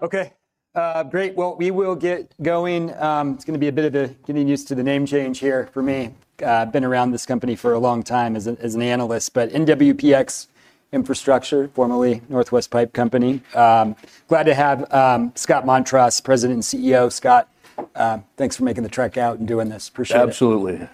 Okay, great. We will get going. It's going to be a bit of a genius to the name change here for me. I've been around this company for a long time as an analyst, but NWPX Infrastructure, formerly Northwest Pipe Company. Glad to have Scott Montross, President and CEO. Scott, thanks for making the trek out and doing this. Absolutely.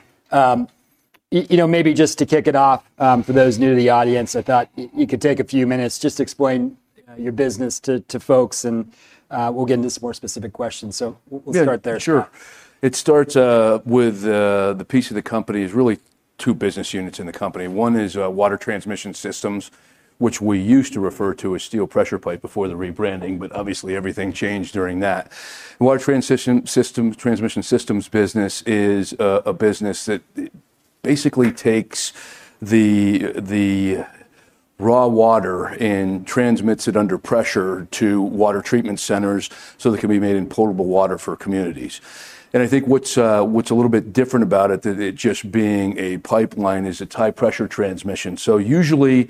Maybe just to kick it off, for those new to the audience, I thought you could take a few minutes just to explain your business to folks, and we'll get into some more specific questions. We'll start there. Yeah, sure. It starts with the piece of the company is really two business units in the company. One is Water Transmission Systems, which we used to refer to as steel pressure pipe before the rebranding, but obviously everything changed during that. The Water Transmission Systems business is a business that basically takes the raw water and transmits it under pressure to water treatment centers so that it can be made in potable water for communities. I think what's a little bit different about it, that it just being a pipeline, is a high-pressure transmission. Usually,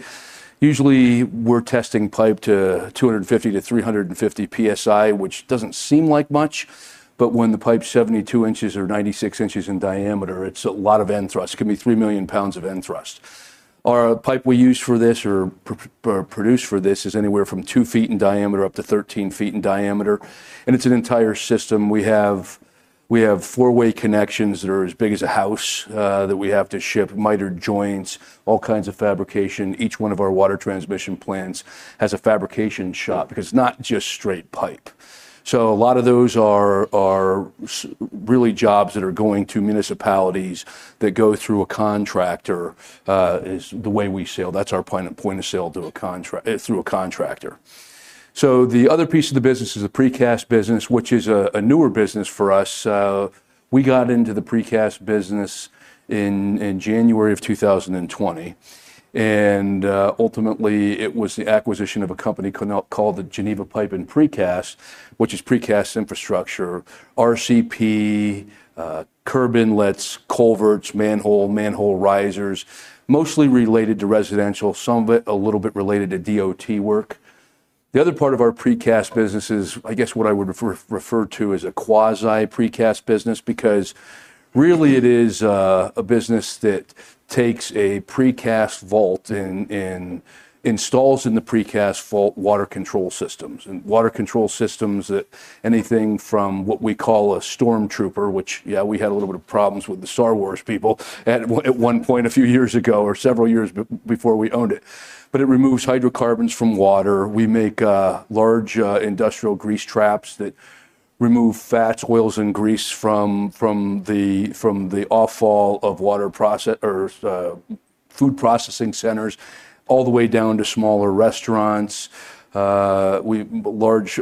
we're testing pipe to 250 to 350 PSI, which doesn't seem like much, but when the pipe's 72 inches or 96 inches in diameter, it's a lot of end thrust. It can be 3 million pounds of end thrust. Our pipe we use for this, or produce for this, is anywhere from 2 feet in diameter up to 13 feet in diameter. It's an entire system. We have four-way connections that are as big as a house that we have to ship, miter joints, all kinds of fabrication. Each one of our Water Transmission plants has a fabrication shop because it's not just straight pipe. A lot of those are really jobs that are going to municipalities that go through a contractor, is the way we sell. That's our point of sale through a contractor. The other piece of the business is the precast business, which is a newer business for us. We got into the precast business in January of 2020. Ultimately, it was the acquisition of a company called Geneva Pipe and Precast, which is precast infrastructure, RCP, curb inlets, culverts, manhole, manhole risers, mostly related to residential, some of it a little bit related to DOT work. The other part of our precast business is, I guess what I would refer to as a quasi-precast business because really it is a business that takes a precast vault and installs in the precast vault water control systems. Water control systems that anything from what we call a storm trooper, which yeah, we had a little bit of problems with the Star Wars people at one point a few years ago or several years before we owned it. It removes hydrocarbons from water. We make large industrial grease traps that remove fats, oils, and grease from the off-fall of water process or food processing centers all the way down to smaller restaurants. We have large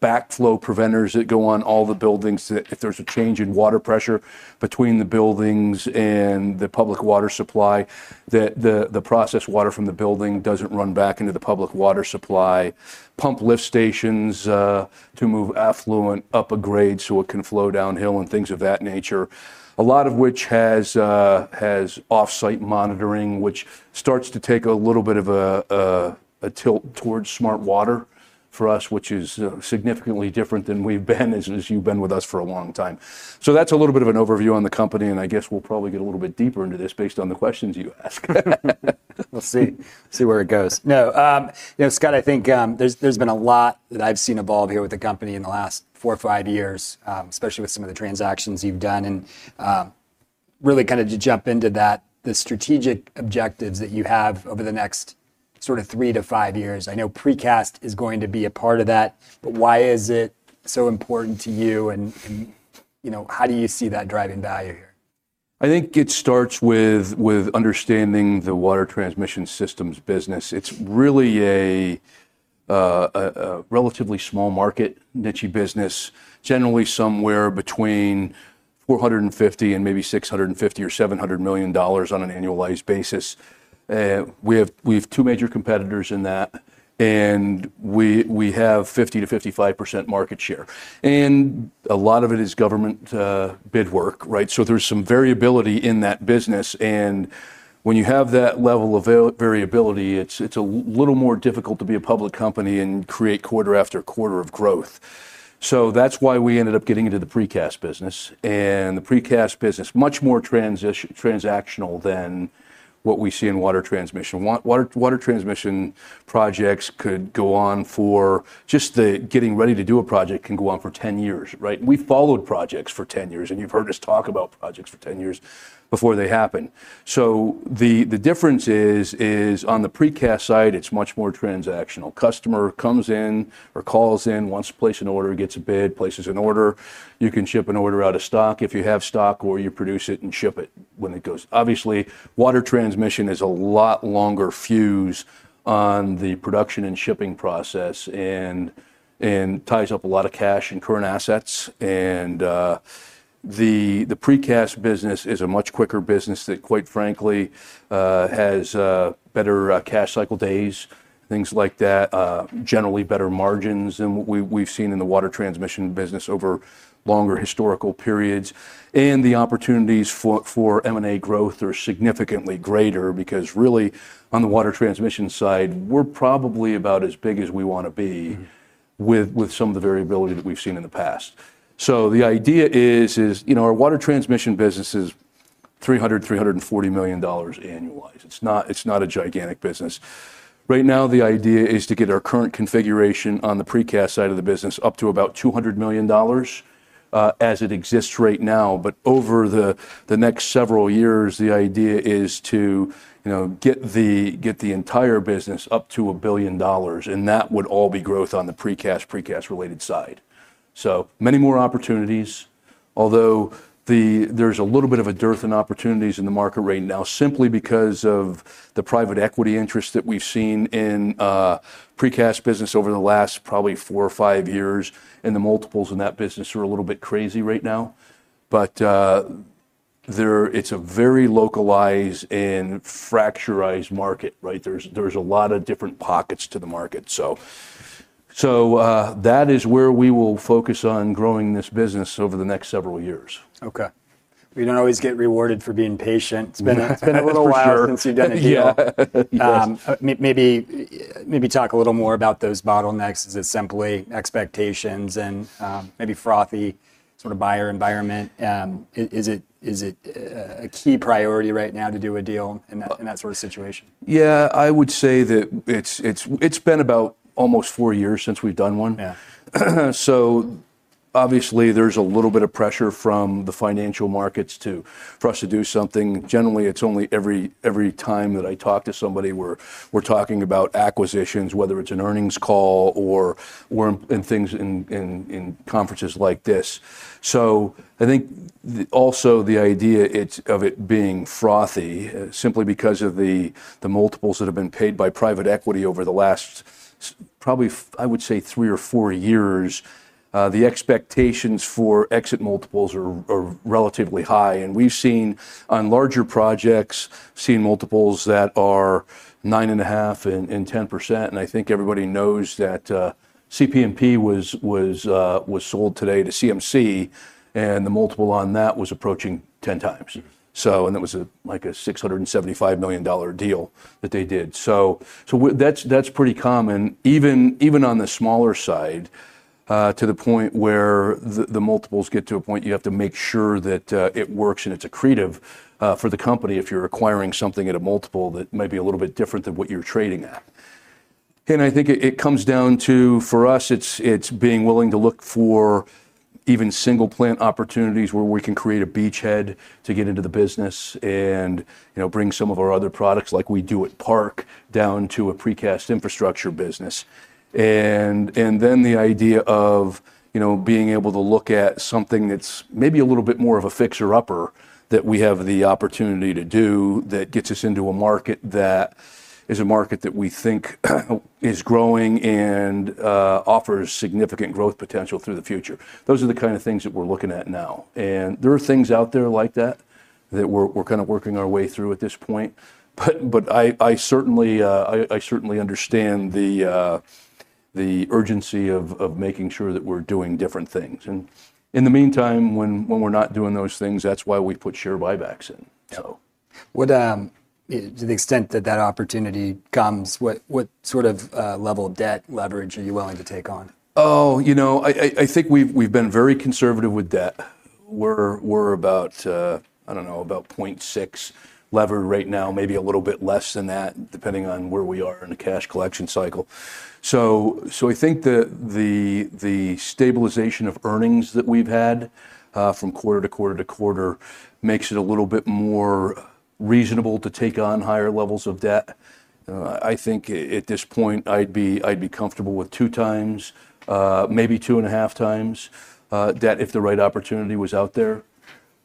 backflow preventers that go on all the buildings, that if there's a change in water pressure between the buildings and the public water supply, the processed water from the building doesn't run back into the public water supply. Pump lift stations to move effluent up a grade so it can flow downhill and things of that nature. A lot of which has offsite monitoring, which starts to take a little bit of a tilt towards smart water for us, which is significantly different than we've been, as you've been with us for a long time. That's a little bit of an overview on the company, and I guess we'll probably get a little bit deeper into this based on the questions you ask. We'll see where it goes. Scott, I think there's been a lot that I've seen evolve here with the company in the last four or five years, especially with some of the transactions you've done. To jump into that, the strategic objectives that you have over the next three to five years. I know precast is going to be a part of that, but why is it so important to you? How do you see that driving value here? I think it starts with understanding the Water Transmission Systems business. It's really a relatively small market, niche business, generally somewhere between $450 million and maybe $650 million or $700 million on an annualized basis. We have two major competitors in that, and we have 50% to 55% market share. A lot of it is government bid work, right? There's some variability in that business. When you have that level of variability, it's a little more difficult to be a public company and create quarter after quarter of growth. That's why we ended up getting into the precast business. The precast business is much more transactional than what we see in Water Transmission. Water Transmission projects could go on for, just the getting ready to do a project can go on for 10 years, right? We followed projects for 10 years, and you've heard us talk about projects for 10 years before they happen. The difference is, on the precast side, it's much more transactional. Customer comes in or calls in, wants to place an order, gets a bid, places an order. You can ship an order out of stock if you have stock or you produce it and ship it when it goes. Obviously, Water Transmission is a lot longer fuse on the production and shipping process and ties up a lot of cash and current assets. The precast business is a much quicker business that, quite frankly, has better cash cycle days, things like that, generally better margins than what we've seen in the Water Transmission business over longer historical periods. The opportunities for M&A growth are significantly greater because really, on the Water Transmission side, we're probably about as big as we want to be with some of the variability that we've seen in the past. The idea is, you know, our Water Transmission business is $300 million, $340 million annualized. It's not a gigantic business. Right now, the idea is to get our current configuration on the precast side of the business up to about $200 million as it exists right now. Over the next several years, the idea is to, you know, get the entire business up to $1 billion. That would all be growth on the precast, precast related side. There are many more opportunities, although there's a little bit of a dearth in opportunities in the market right now, simply because of the private equity interest that we've seen in the precast business over the last probably four or five years. The multiples in that business are a little bit crazy right now. It's a very localized and fractured market, right? There are a lot of different pockets to the market. That is where we will focus on growing this business over the next several years. Okay. You don't always get rewarded for being patient. It's been a little while since you've done a deal. Maybe talk a little more about those bottlenecks. Is it simply expectations and maybe frothy sort of buyer environment? Is it a key priority right now to do a deal in that sort of situation? Yeah, I would say that it's been about almost four years since we've done one. Obviously, there's a little bit of pressure from the financial markets for us to do something. Generally, it's only every time that I talk to somebody where we're talking about acquisitions, whether it's an earnings call or we're in things in conferences like this. I think also the idea of it being frothy, simply because of the multiples that have been paid by private equity over the last, probably I would say three or four years, the expectations for exit multiples are relatively high. We've seen on larger projects, seen multiples that are 9.5% and 10%. I think everybody knows that CPMP was sold today to CMC, and the multiple on that was approaching 10 times. It was like a $675 million deal that they did. That's pretty common, even on the smaller side, to the point where the multiples get to a point you have to make sure that it works and it's accretive for the company if you're acquiring something at a multiple that might be a little bit different than what you're trading at. I think it comes down to, for us, it's being willing to look for even single plant opportunities where we can create a beachhead to get into the business and, you know, bring some of our other products like we do at Park down to a precast infrastructure business. The idea of being able to look at something that's maybe a little bit more of a fixer-upper that we have the opportunity to do that gets us into a market that is a market that we think is growing and offers significant growth potential through the future. Those are the kind of things that we're looking at now. There are things out there like that that we're kind of working our way through at this point. I certainly understand the urgency of making sure that we're doing different things. In the meantime, when we're not doing those things, that's why we put share buybacks in. To the extent that that opportunity comes, what sort of level of debt leverage are you willing to take on? I think we've been very conservative with debt. We're about, I don't know, about 0.6 lever right now, maybe a little bit less than that, depending on where we are in the cash collection cycle. I think that the stabilization of earnings that we've had from quarter to quarter to quarter makes it a little bit more reasonable to take on higher levels of debt. I think at this point, I'd be comfortable with two times, maybe two and a half times debt if the right opportunity was out there.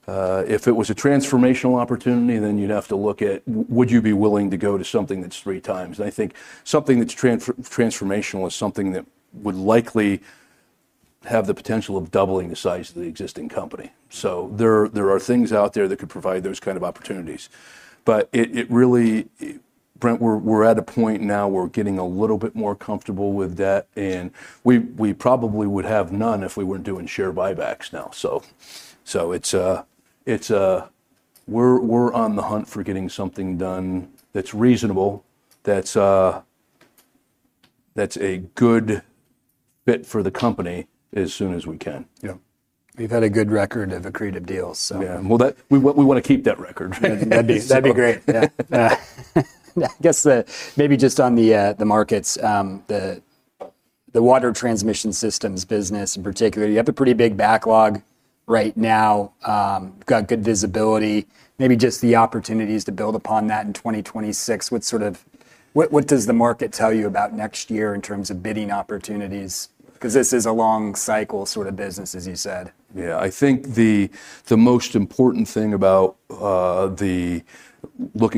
If it was a transformational opportunity, then you'd have to look at, would you be willing to go to something that's three times? I think something that's transformational is something that would likely have the potential of doubling the size of the existing company. There are things out there that could provide those kinds of opportunities. Brent, we're at a point now where we're getting a little bit more comfortable with debt, and we probably would have none if we weren't doing share buybacks now. We're on the hunt for getting something done that's reasonable, that's a good fit for the company as soon as we can. Yeah, you've had a good record of accretive deals. Yeah, we want to keep that record. That'd be great. I guess maybe just on the markets, the Water Transmission Systems business in particular, you have a pretty big backlog right now. Got good visibility, maybe just the opportunities to build upon that in 2026. What does the market tell you about next year in terms of bidding opportunities? This is a long cycle sort of business, as you said. Yeah, I think the most important thing about looking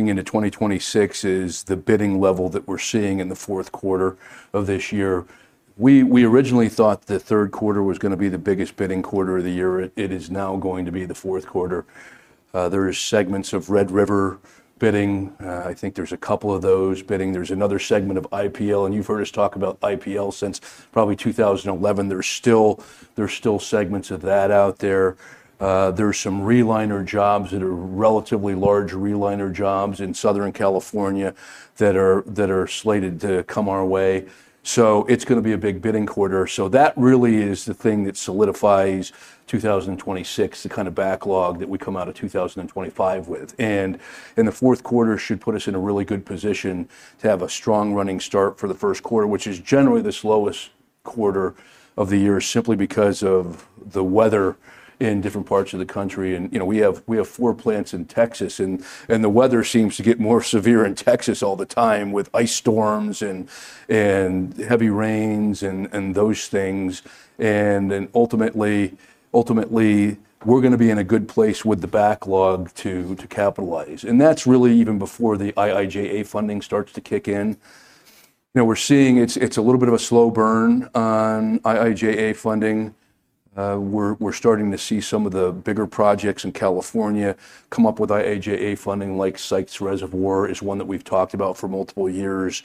into 2026 is the bidding level that we're seeing in the fourth quarter of this year. We originally thought the third quarter was going to be the biggest bidding quarter of the year. It is now going to be the fourth quarter. There are segments of Red River bidding. I think there's a couple of those bidding. There's another segment of IPL, and you've heard us talk about IPL since probably 2011. There's still segments of that out there. There's some reliner jobs that are relatively large reliner jobs in Southern California that are slated to come our way. It's going to be a big bidding quarter. That really is the thing that solidifies 2026, the kind of backlog that we come out of 2025 with. The fourth quarter should put us in a really good position to have a strong running start for the first quarter, which is generally the slowest quarter of the year, simply because of the weather in different parts of the country. We have four plants in Texas, and the weather seems to get more severe in Texas all the time with ice storms and heavy rains and those things. Ultimately, we're going to be in a good place with the backlog to capitalize. That's really even before the IIJA funding starts to kick in. We're seeing it's a little bit of a slow burn on IIJA funding. We're starting to see some of the bigger projects in California come up with IIJA funding, like Sykes Reservoir is one that we've talked about for multiple years.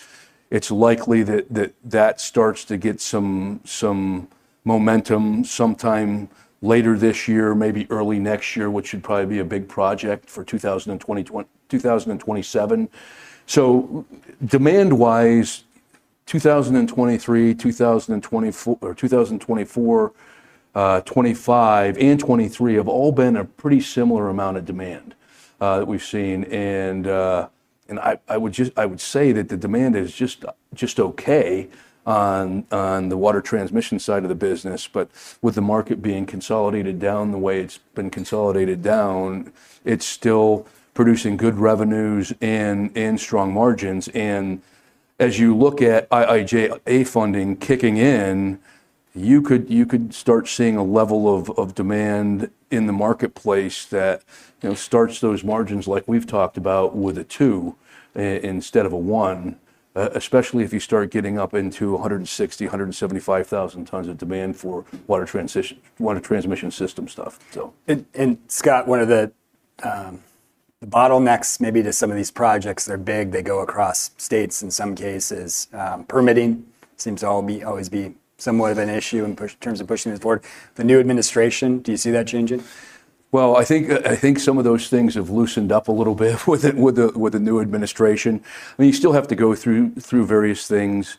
It's likely that that starts to get some momentum sometime later this year, maybe early next year, which should probably be a big project for 2027. Demand-wise, 2023, 2024, 2025, and 2023 have all been a pretty similar amount of demand that we've seen. I would say that the demand is just okay on the water transmission side of the business. With the market being consolidated down the way it's been consolidated down, it's still producing good revenues and strong margins. As you look at IIJA funding kicking in, you could start seeing a level of demand in the marketplace that starts those margins like we've talked about with a two instead of a one, especially if you start getting up into 160,000, 175,000 tons of demand for Water Transmission Systems stuff. Scott, one of the bottlenecks maybe to some of these projects, they're big, they go across states in some cases. Permitting seems to always be somewhat of an issue in terms of pushing this forward. The new administration, do you see that changing? I think some of those things have loosened up a little bit with the new administration. I mean, you still have to go through various things.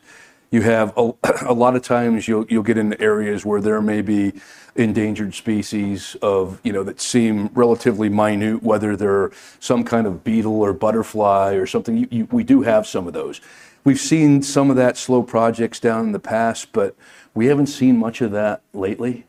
A lot of times you'll get into areas where there may be endangered species that seem relatively minute, whether they're some kind of beetle or butterfly or something. We do have some of those. We've seen some of that slow projects down in the past, but we haven't seen much of that lately.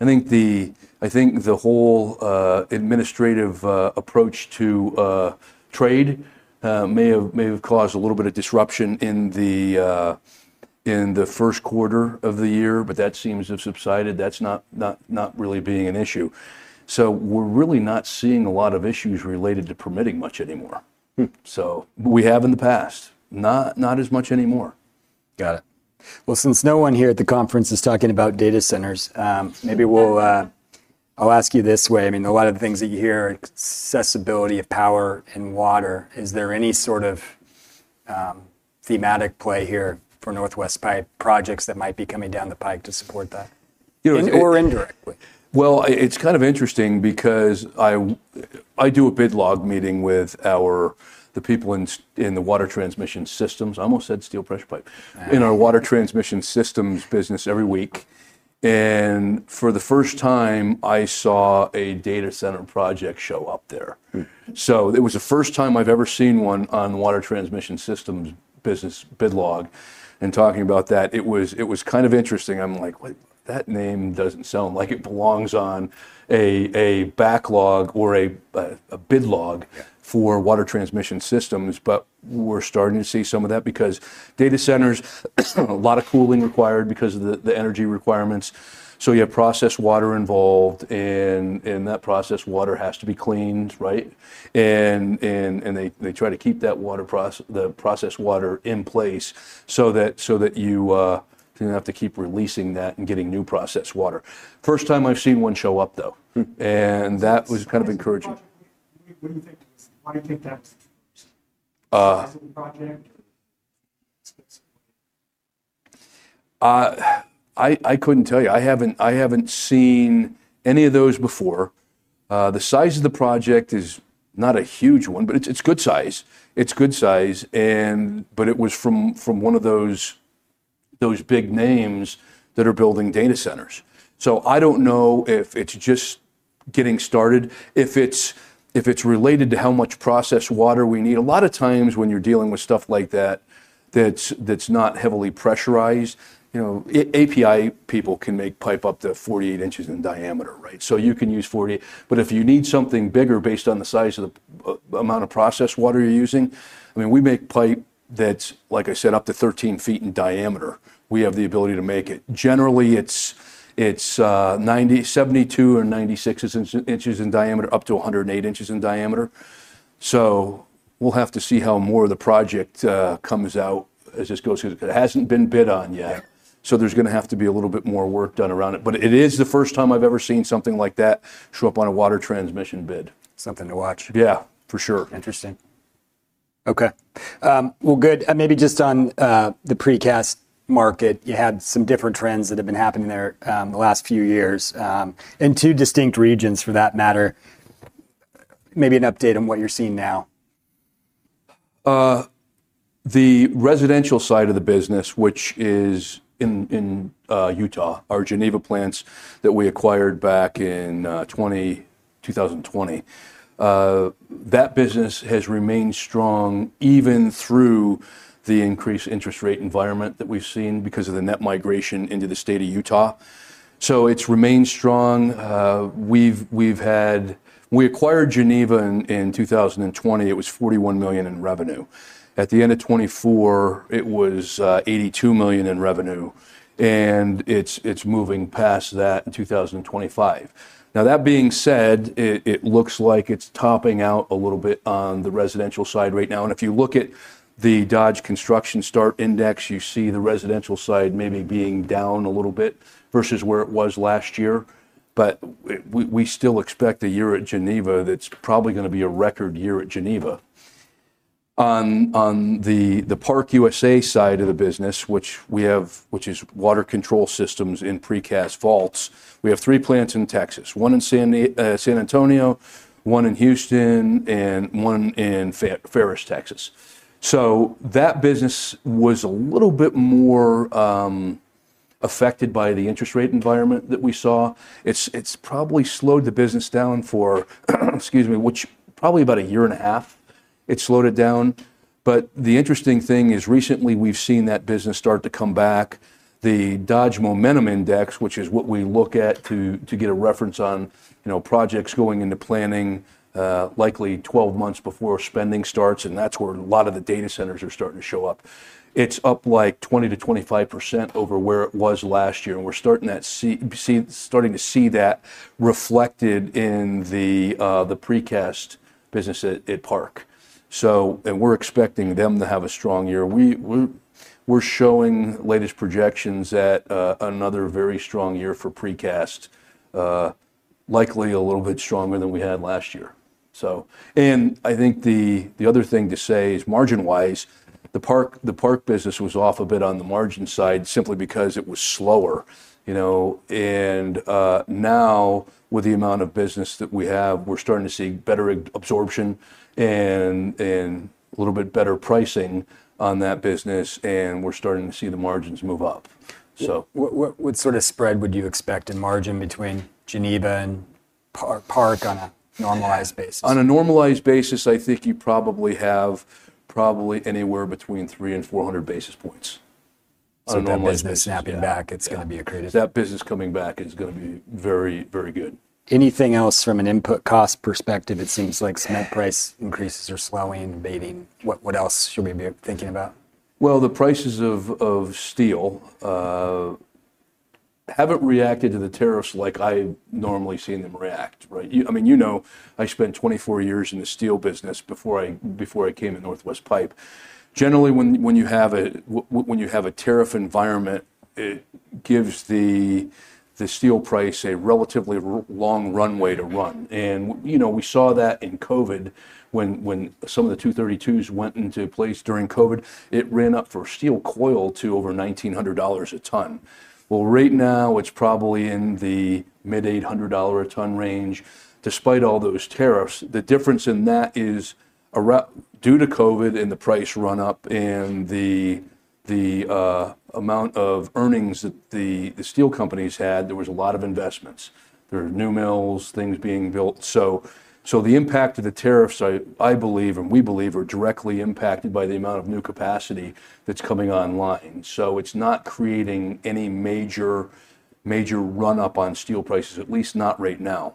I think the whole administrative approach to trade may have caused a little bit of disruption in the first quarter of the year, but that seems to have subsided. That's not really being an issue. We're really not seeing a lot of issues related to permitting much anymore. We have in the past, not as much anymore. Got it. Since no one here at the conference is talking about data center projects, maybe I'll ask you this way. I mean, a lot of the things that you hear are accessibility of power and water. Is there any sort of thematic play here for NWPX Infrastructure Inc. projects that might be coming down the pike to support that, you know, or indirectly? It's kind of interesting because I do a bid log meeting with the people in the Water Transmission Systems. I almost said steel pressure pipe in our Water Transmission Systems business every week. For the first time, I saw a data center project show up there. It was the first time I've ever seen one on Water Transmission Systems business bid log. Talking about that, it was kind of interesting. I'm like, wait, that name doesn't sound like it belongs on a backlog or a bid log for Water Transmission Systems. We're starting to see some of that because data centers, a lot of cooling required because of the energy requirements. You have processed water involved, and that processed water has to be cleaned, right? They try to keep that water process, the processed water in place so that you don't have to keep releasing that and getting new processed water. First time I've seen one show up, though, and that was kind of encouraging. I couldn't tell you. I haven't seen any of those before. The size of the project is not a huge one, but it's good size. It's good size. It was from one of those big names that are building data centers. I don't know if it's just getting started, if it's related to how much processed water we need. A lot of times when you're dealing with stuff like that, that's not heavily pressurized. You know, API people can make pipe up to 48 inches in diameter, right? You can use 48. If you need something bigger based on the size of the amount of processed water you're using, I mean, we make pipe that's, like I said, up to 13 feet in diameter. We have the ability to make it. Generally, it's 72 or 96 inches in diameter, up to 108 inches in diameter. We'll have to see how more of the project comes out as this goes through. It hasn't been bid on yet. There's going to have to be a little bit more work done around it. It is the first time I've ever seen something like that show up on a Water Transmission bid. Something to watch. Yeah, for sure. Interesting. Okay. Maybe just on the precast market, you had some different trends that have been happening there the last few years in two distinct regions for that matter. Maybe an update on what you're seeing now. The residential side of the business, which is in Utah, our Geneva plants that we acquired back in 2020, that business has remained strong even through the increased interest rate environment that we've seen because of the net migration into the state of Utah. It's remained strong. We acquired Geneva in 2020. It was $41 million in revenue. At the end of 2024, it was $82 million in revenue, and it's moving past that in 2025. That being said, it looks like it's topping out a little bit on the residential side right now. If you look at the Dodge Construction Start Index, you see the residential side maybe being down a little bit versus where it was last year. We still expect a year at Geneva that's probably going to be a record year at Geneva. On the ParkUSA side of the business, which we have, which is water control systems in precast vaults, we have three plants in Texas, one in San Antonio, one in Houston, and one in Ferris, Texas. That business was a little bit more affected by the interest rate environment that we saw. It's probably slowed the business down for, excuse me, probably about a year and a half, it slowed it down. The interesting thing is recently we've seen that business start to come back. The Dodge Momentum Index, which is what we look at to get a reference on projects going into planning, likely 12 months before spending starts, that's where a lot of the data center projects are starting to show up. It's up like 20% to 25% over where it was last year, and we're starting to see that reflected in the precast business at ParkUSA. We're expecting them to have a strong year. We're showing latest projections at another very strong year for precast, likely a little bit stronger than we had last year. I think the other thing to say is margin-wise, the ParkUSA business was off a bit on the margin side simply because it was slower. Now with the amount of business that we have, we're starting to see better absorption and a little bit better pricing on that business, and we're starting to see the margins move up. What sort of spread would you expect in margin between Geneva and Park on a normalized basis? On a normalized basis, I think you probably have anywhere between 300 and 400 basis points. On that business, snapping back, it's going to be accretive. That business coming back is going to be very, very good. Anything else from an input cost perspective? It seems like cement price increases are slowing, maybe. What else should we be thinking about? The prices of steel haven't reacted to the tariffs like I've normally seen them react, right? I mean, you know, I spent 24 years in the steel business before I came to NWPX Infrastructure Inc. Generally, when you have a tariff environment, it gives the steel price a relatively long runway to run. You know, we saw that in COVID when some of the 232s went into place during COVID, it ran up for steel coil to over $1,900 a ton. Right now it's probably in the mid $800 a ton range. Despite all those tariffs, the difference in that is due to COVID and the price run-up and the amount of earnings that the steel companies had, there was a lot of investments. There are new mills, things being built. The impact of the tariffs, I believe, and we believe, are directly impacted by the amount of new capacity that's coming online. It's not creating any major run-up on steel prices, at least not right now.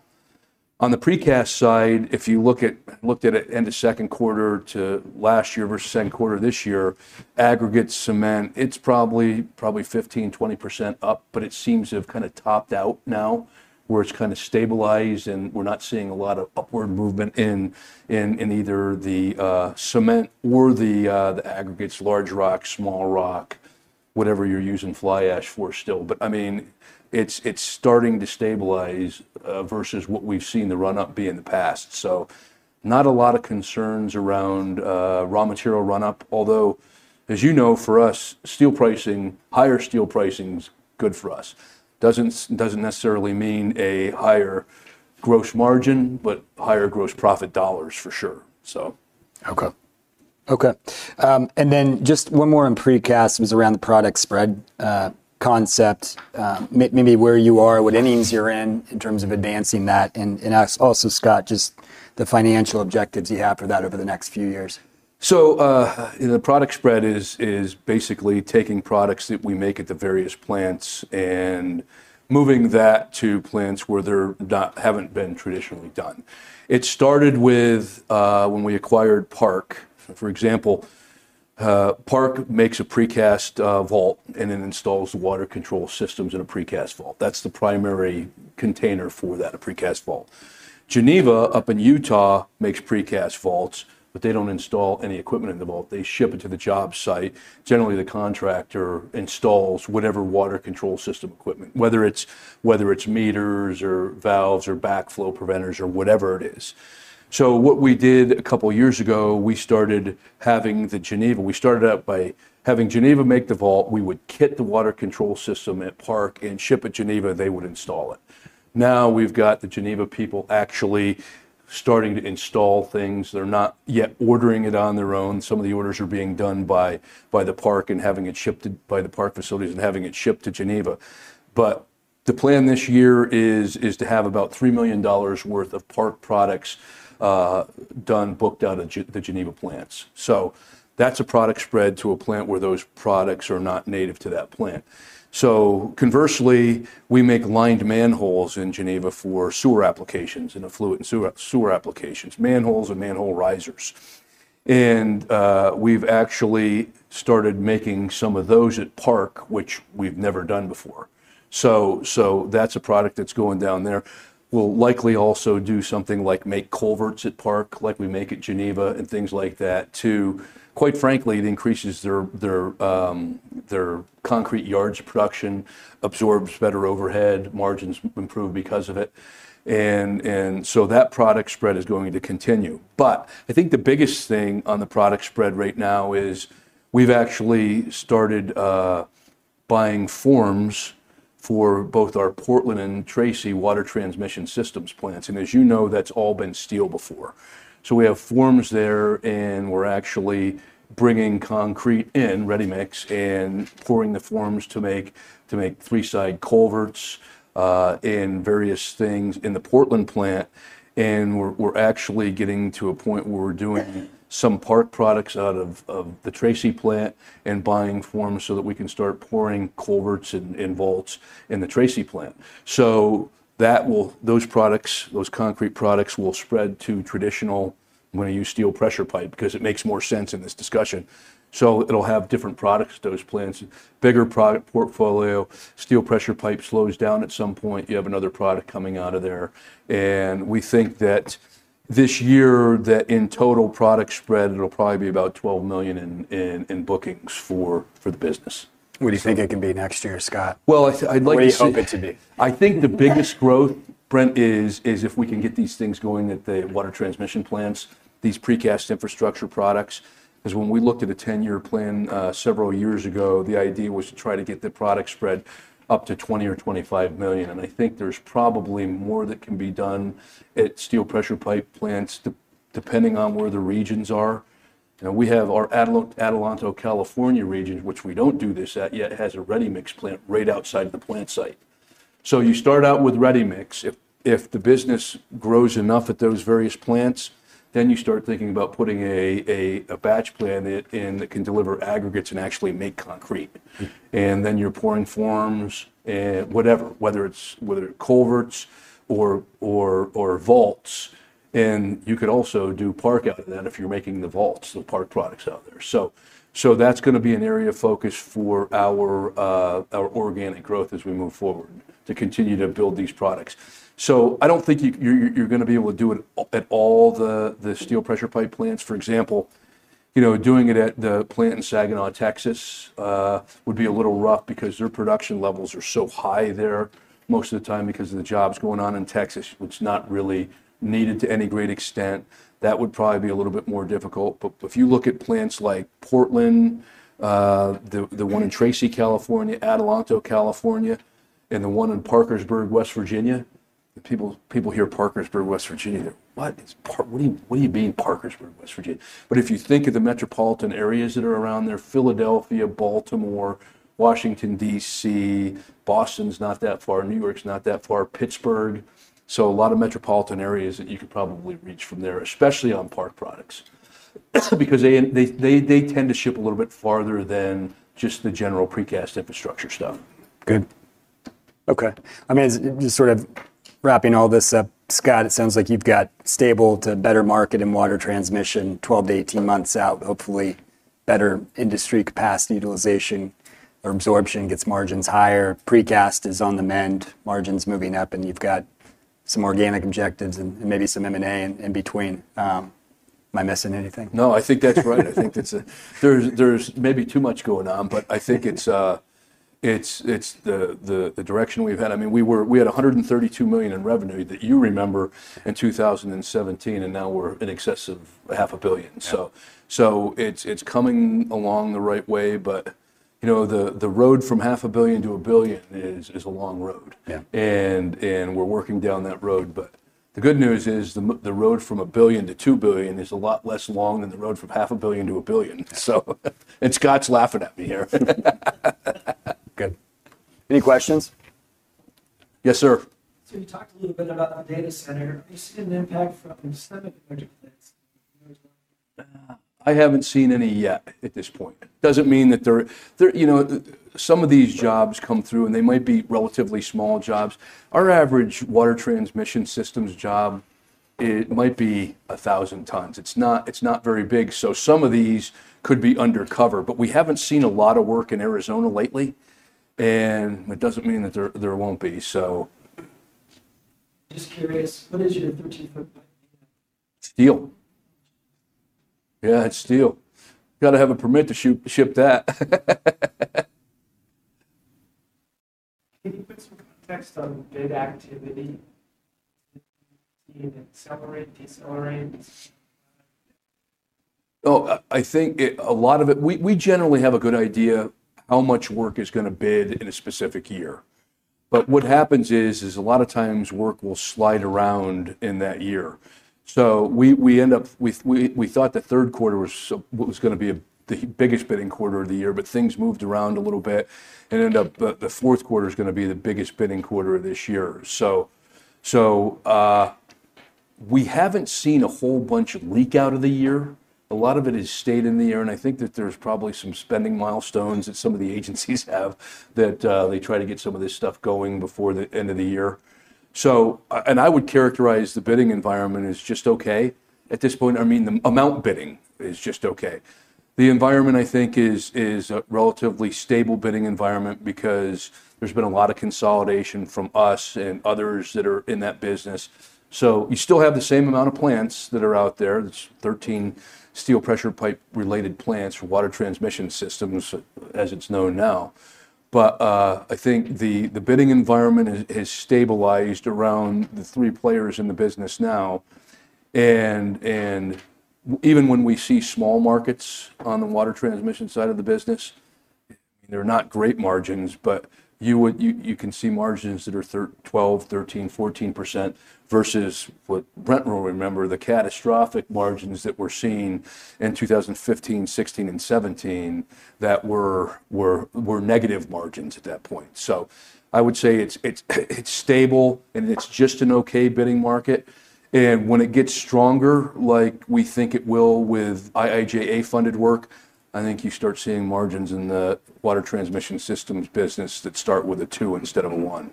On the precast side, if you looked at it end of second quarter to last year versus the second quarter of this year, aggregate cement, it's probably 15% to 20% up, but it seems to have kind of topped out now where it's kind of stabilized and we're not seeing a lot of upward movement in either the cement or the aggregates, large rock, small rock, whatever you're using fly ash for still. I mean, it's starting to stabilize versus what we've seen the run-up be in the past. Not a lot of concerns around raw material run-up, although, as you know, for us, steel pricing, higher steel pricing is good for us. Doesn't necessarily mean a higher gross margin, but higher gross profit dollars for sure. Okay. Okay. Just one more on precast was around the product spread concept. Maybe where you are, what ends you're in in terms of advancing that. Also, Scott, just the financial objectives you have for that over the next few years. The product spread is basically taking products that we make at the various plants and moving that to plants where they haven't been traditionally done. It started with when we acquired ParkUSA. For example, ParkUSA makes a precast vault and then installs water control systems in a precast vault. That's the primary container for that, a precast vault. Geneva Pipe and Precast up in Utah makes precast vaults, but they don't install any equipment in the vault. They ship it to the job site. Generally, the contractor installs whatever water control system equipment, whether it's meters or valves or backflow preventers or whatever it is. What we did a couple of years ago, we started having Geneva make the vault. We would kit the water control system at ParkUSA and ship it to Geneva and they would install it. Now we've got the Geneva people actually starting to install things. They're not yet ordering it on their own. Some of the orders are being done by ParkUSA and having it shipped by the ParkUSA facilities and having it shipped to Geneva. The plan this year is to have about $3 million worth of ParkUSA products booked out of the Geneva plants. That's a product spread to a plant where those products are not native to that plant. Conversely, we make lined manholes in Geneva for sewer applications and fluid and sewer applications, manholes and manhole risers. We've actually started making some of those at ParkUSA, which we've never done before. That's a product that's going down there. We'll likely also do something like make culverts at ParkUSA, like we make at Geneva and things like that too. Quite frankly, it increases their concrete yards production, absorbs better overhead, margins improve because of it. That product spread is going to continue. I think the biggest thing on the product spread right now is we've actually started buying forms for both our Portland and Tracy Water Transmission Systems plants. As you know, that's all been steel before. We have forms there and we're actually bringing concrete in ready mix and pouring the forms to make three-side culverts and various things in the Portland plant. We're actually getting to a point where we're doing some ParkUSA products out of the Tracy plant and buying forms so that we can start pouring culverts and vaults in the Tracy plant. Those products, those concrete products, will spread to traditional, I'm going to use steel pressure pipe because it makes more sense in this discussion. It'll have different products, those plants, bigger product portfolio. Steel pressure pipe slows down at some point. You have another product coming out of there. We think that this year, in total product spread, it'll probably be about $12 million in bookings for the business. What do you think it can be next year, Scott? I think the biggest growth, Brent, is if we can get these things going at the Water Transmission Systems plants, these precast infrastructure products. When we looked at a 10-year plan several years ago, the idea was to try to get the product spread up to $20 million or $25 million. I think there's probably more that can be done at steel pressure pipe plants, depending on where the regions are. We have our Atalanta, California region, which we don't do this at yet, and it has a ready mix plant right outside of the plant site. You start out with ready mix. If the business grows enough at those various plants, then you start thinking about putting a batch plant in that can deliver aggregates and actually make concrete. Then you're pouring forms and whatever, whether it's culverts or vaults. You could also do Park out of that if you're making the vaults, the Park products out there. That's going to be an area of focus for our organic growth as we move forward to continue to build these products. I don't think you're going to be able to do it at all the steel pressure pipe plants. For example, doing it at the plant in Saginaw, Texas, would be a little rough because their production levels are so high there most of the time because of the jobs going on in Texas, which is not really needed to any great extent. That would probably be a little bit more difficult. If you look at plants like Portland, the one in Tracy, California, Atalanta, California, and the one in Parkersburg, West Virginia, if people hear Parkersburg, West Virginia, they're like, "What? What are you being Parkersburg, West Virginia?" If you think of the metropolitan areas that are around there, Philadelphia, Baltimore, Washington, D.C., Boston's not that far, New York's not that far, Pittsburgh. A lot of metropolitan areas that you could probably reach from there, especially on Park products, because they tend to ship a little bit farther than just the general precast infrastructure stuff. Good. Okay. I mean, just sort of wrapping all this up, Scott, it sounds like you've got stable to better market in Water Transmission Systems 12 to 18 months out. Hopefully, better industry capacity utilization or absorption gets margins higher. Precast is on the mend, margins moving up, and you've got some organic objectives and maybe some M&A in between. Am I missing anything? No, I think that's right. I think there's maybe too much going on, but I think it's the direction we've had. We had $132 million in revenue that you remember in 2017, and now we're in excess of half a billion. It's coming along the right way, but the road from half a billion to a billion is a long road. We're working down that road. The good news is the road from a billion to two billion is a lot less long than the road from half a billion to a billion. Scott's laughing at me here. Good. Any questions? Yes, sir. Talk a little bit about the data center. You see an impact from some of the plants? I haven't seen any yet at this point. It doesn't mean that there, you know, some of these jobs come through and they might be relatively small jobs. Our average Water Transmission Systems job, it might be 1,000 tons. It's not very big. Some of these could be undercover, but we haven't seen a lot of work in Arizona lately. It doesn't mean that there won't be. Just curious, what is your info? Steel. Yeah, it's steel. You've got to have a permit to ship that. Can you give us some context on bid activity? Accelerate, decelerate? I think a lot of it, we generally have a good idea how much work is going to bid in a specific year. What happens is, a lot of times work will slide around in that year. We thought the third quarter was going to be the biggest bidding quarter of the year, but things moved around a little bit and ended up that the fourth quarter is going to be the biggest bidding quarter of this year. We haven't seen a whole bunch of leak out of the year. A lot of it has stayed in the year. I think that there's probably some spending milestones that some of the agencies have that they try to get some of this stuff going before the end of the year. I would characterize the bidding environment as just okay at this point. I mean, the amount bidding is just okay. The environment, I think, is a relatively stable bidding environment because there's been a lot of consolidation from us and others that are in that business. You still have the same amount of plants that are out there. It's 13 steel pressure pipe related plants for Water Transmission Systems as it's known now. I think the bidding environment has stabilized around the three players in the business now. Even when we see small markets on the water transmission side of the business, they're not great margins, but you can see margins that are 12%, 13%, 14% versus what Brent will remember, the catastrophic margins that we're seeing in 2015, 2016, and 2017 that were negative margins at that point. I would say it's stable and it's just an okay bidding market. When it gets stronger, like we think it will with IIJA funded work, I think you start seeing margins in the Water Transmission Systems business that start with a two instead of a one.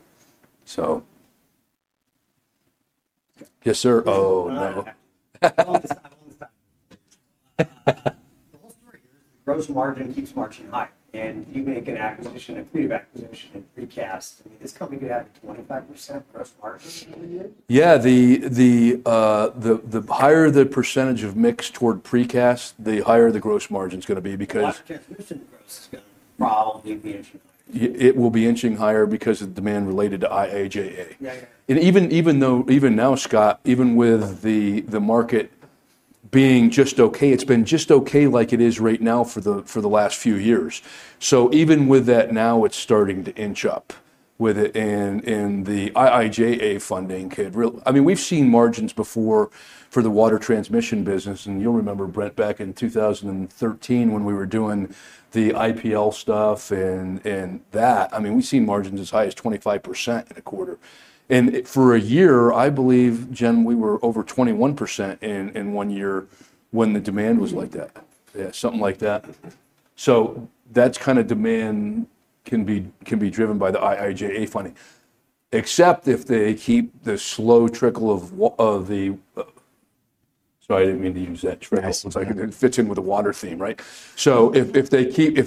Yes, sir. Oh, no. Gross margin keeps marching up, and you make an addition to cash. We get 5% gross margin. Yeah, the higher the % of mix toward precast, the higher the gross margin is going to be because. Transmission gross is going to probably be inching. It will be inching higher because of demand related to IIJA. Even now, Scott, even with the market being just okay, it's been just okay like it is right now for the last few years. Even with that, now it's starting to inch up with it. The IIJA funding could really, I mean, we've seen margins before for the Water Transmission Systems business. You'll remember, Brent, back in 2013 when we were doing the IPL stuff and that, I mean, we've seen margins as high as 25% in a quarter. For a year, I believe, Jen, we were over 21% in one year when the demand was like that. Yeah, something like that. That kind of demand can be driven by the IIJA funding, except if they keep the slow trickle of the, sorry, I didn't mean to use that trickle. It fits in with the water theme, right? If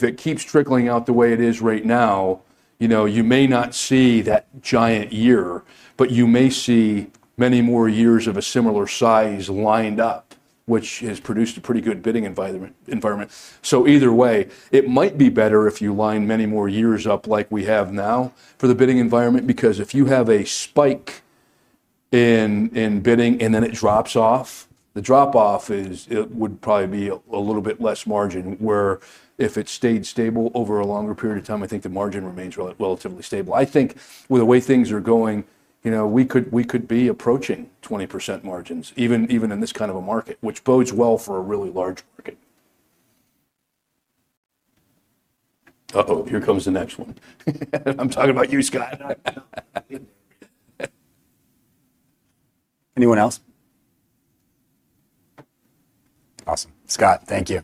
it keeps trickling out the way it is right now, you may not see that giant year, but you may see many more years of a similar size lined up, which has produced a pretty good bidding environment. Either way, it might be better if you line many more years up like we have now for the bidding environment, because if you have a spike in bidding and then it drops off, the drop-off would probably be a little bit less margin, where if it stayed stable over a longer period of time, I think the margin remains relatively stable. I think with the way things are going, we could be approaching 20% margins, even in this kind of a market, which bodes well for a really large market. Uh-oh, here comes the next one. I'm talking about you, Scott. Anyone else? Awesome. Scott, thank you.